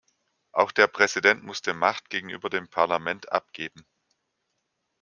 Auch der Präsident musste Macht gegenüber dem Parlament abgeben.